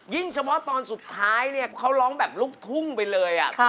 ยิ่งเฉพาะตอนสุดท้ายเขาร้องแบบลุกทุ่งไปเลย